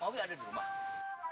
pak hwi ada di rumah